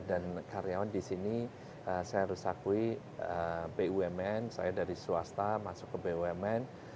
dan karyawan di sini saya harus akui bumn saya dari swasta masuk ke bumn